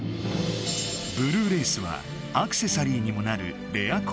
ブルーレースはアクセサリーにもなるレア鉱物。